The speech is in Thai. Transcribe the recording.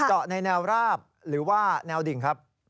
เจาะในแนวราบหรือว่าแนวดิ่งครับ